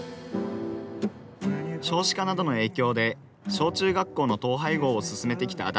少子化などの影響で小中学校の統廃合を進めてきた足立区。